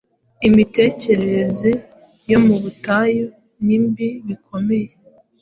Imitekerereze yo mu butayu nimbi bikomeye